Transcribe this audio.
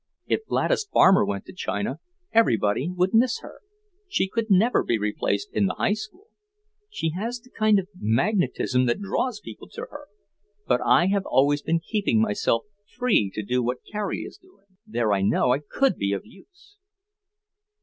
If Gladys Farmer went to China, everybody would miss her. She could never be replaced in the High School. She has the kind of magnetism that draws people to her. But I have always been keeping myself free to do what Carrie is doing. There I know I could be of use."